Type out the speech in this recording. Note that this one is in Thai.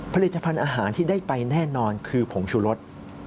ผลิตภัณฑ์อาหารที่ได้ไปแน่นอนคือผงชูรส